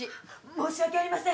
申し訳ありません！